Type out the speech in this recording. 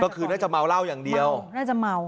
ก็คือน่าจะเมาเหล้าอย่างเดียวน่าจะเมา